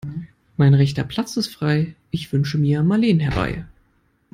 Mein rechter Platz ist frei, ich wünsche mir Marleen herbei.